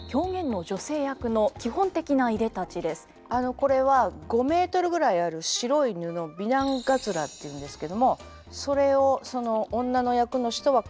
これは５メートルぐらいある白い布美男鬘っていうんですけどもそれを女の役の人はかけるんですね。